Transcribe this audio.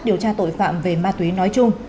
điều tra tội phạm về ma túy nói chung